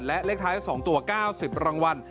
และเลขท้าย๒ตัว๙๐รางวัล